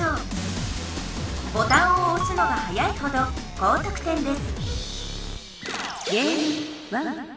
ボタンをおすのがはやいほど高とく点です